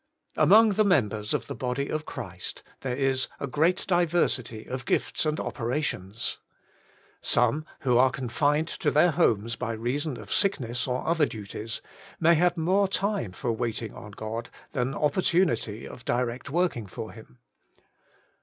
Among the members of the body of Christ there is a great diversity of gifts and opera tions. Some, who are confined to their homes by reason of sickness or other duties, may have more time for waiting on God than opportunity of direct working for Him.